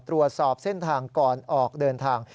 ตรวจสอบเส้นทางก่อนออกเดินทาง